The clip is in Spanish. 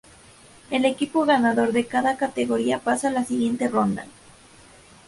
El equipo ganador de cada categoría pasa a la siguiente ronda.